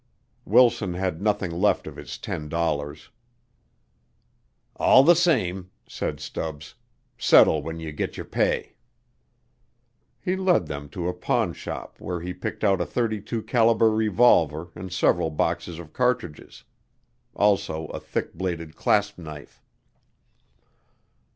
Wilson had nothing left of his ten dollars. "All the same," said Stubbs. "Settle when you git your pay." He led him then to a pawn shop where he picked out a thirty two calibre revolver and several boxes of cartridges. Also a thick bladed claspknife.